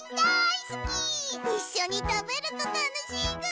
いっしょにたべるとたのしいぐ！